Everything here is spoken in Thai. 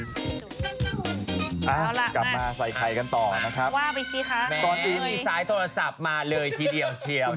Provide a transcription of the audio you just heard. เอ้าเรากลับมาใส่ไข่กันต่อนะครับตอนนี้มีสายโทรศัพท์มาเลยทีเดียวเทียวนะ